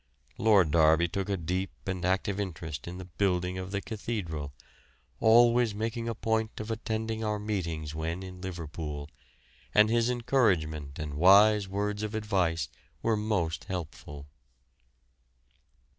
Lord Derby took a deep and active interest in the building of the cathedral, always making a point of attending our meetings when in Liverpool, and his encouragement and wise words of advice were most helpful.